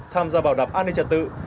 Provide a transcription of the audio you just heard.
tham gia bảo đảm an ninh trật tự